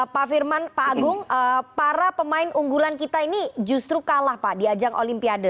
pak firman pak agung para pemain unggulan kita ini justru kalah pak di ajang olimpiade